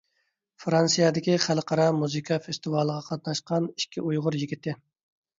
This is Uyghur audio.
فىرانسىيەدىكى خەلقئارا مۇزىكا فېستىۋالىغا قاتناشقان ئىككى ئۇيغۇر يىگىتى.